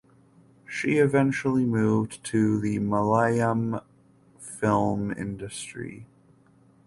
She eventually moved to the Malayalam film industry.